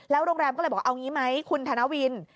แล้วโรงแรมก็เลยบอกเอาอย่างนี้ไหมคุณธนวิน